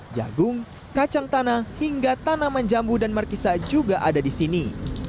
jagung kacang tanah hingga tanaman jambu dan markisa juga ada di sini